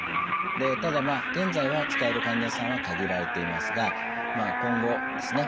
ただ現在は使える患者さんは限られていますが今後ですね